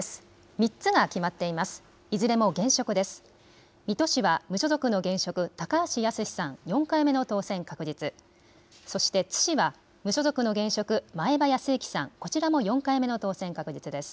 ３つが決まっています。